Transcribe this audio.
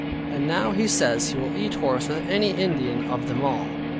And now, says he, he will eat horse with any Indian of them all.